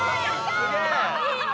すげえ！